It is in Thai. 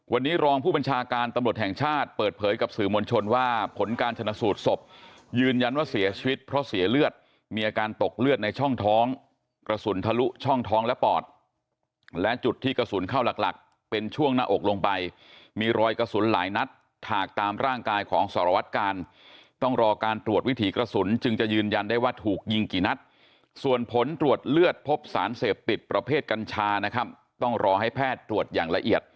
วันนี้รองผู้บัญชาการตำรวจแห่งชาติเปิดเผยกับสื่อมวลชนว่าผลการชนสูตรศพยืนยันว่าเสียชีวิตเพราะเสียเลือดมีอาการตกเลือดในช่องท้องกระสุนทะลุช่องท้องและปอดและจุดที่กระสุนเข้าหลักเป็นช่วงหน้าอกลงไปมีรอยกระสุนหลายนัดถากตามร่างกายของสารวัดการต้องรอการตรวจวิถีกระสุนจึงจะยืนยัน